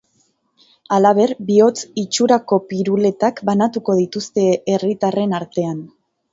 Halaber, bihotz itxurakopiruletak banatuko dituzte herritarren artean.